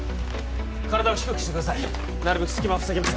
体を低くしてくださいなるべく隙間をふさぎます